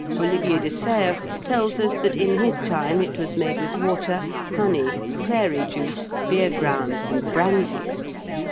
Olivier de Serres tells us that in his time it was made with water, honey, clary juice, beer grounds, and brandy.